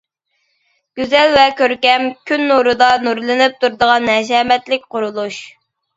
گۈزەل ۋە كۆركەم، كۈن نۇرىدا نۇرلىنىپ تۇرىدىغان ھەشەمەتلىك قۇرۇلۇش.